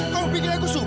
kamu pikir aku suka